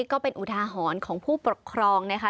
ก็เป็นอุทาหรณ์ของผู้ปกครองนะคะ